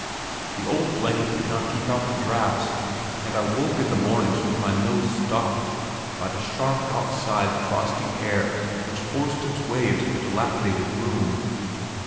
The old blanket could not keep out the draughts, and I woke in the mornings with my nose stopped by the sharp outside frosty air which forced its way into the dilapidated room.